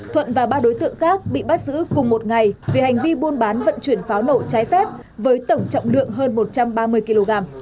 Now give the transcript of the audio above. thuận và ba đối tượng khác bị bắt giữ cùng một ngày vì hành vi buôn bán vận chuyển pháo nổ trái phép với tổng trọng lượng hơn một trăm ba mươi kg